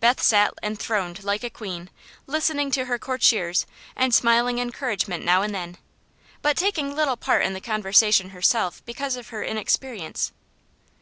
Beth sat enthroned like a queen, listening to her courtiers and smiling encouragement now and then, but taking little part in the conversation herself because of her inexperience.